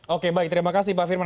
oke baik terima kasih pak firman